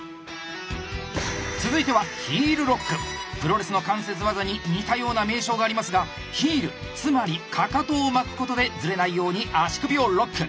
続いてはプロレスの関節技に似たような名称がありますがヒールつまりかかとを巻くことでずれないように足首をロック。